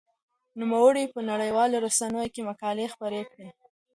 نوموړي په نړيوالو رسنيو کې مقالې خپرې کړې.